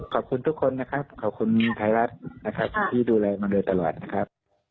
ขอบคุณทุกคนนะครับขอบคุณภายลัดที่ดูแลมาเลยตลอดนะครับ